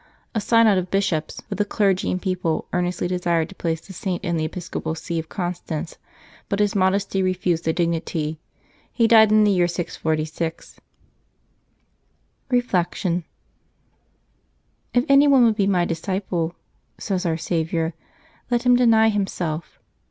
A synod of bishops, with the clergy and people, earnestly desired to place the Saint in the episcopal see of Constance; but his modesty refused the dignity. He died in the year 646. Reflection. — "If any one would be My disciple," says Our Saviour, " let him deny himself.'